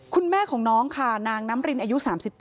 คุณแม่ของน้องค่ะนางน้ำรินอายุ๓๗